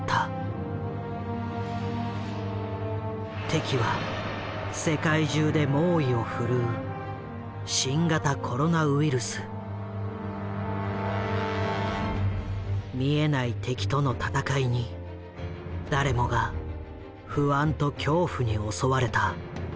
敵は世界中で猛威をふるう見えない敵との闘いに誰もが不安と恐怖に襲われた。